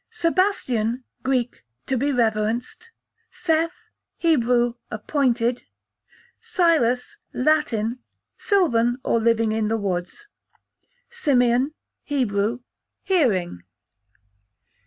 Sebastian, Greek, to be reverenced. Seth, Hebrew, appointed. Silas, Latin, sylvan or living in the woods. Simeon, Hebrew, hearing.